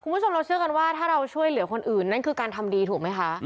คุณผู้ชมเราเชื่อกันว่าถ้าเราช่วยเหลือคนอื่นนั่นคือการทำดีถูกไหมคะ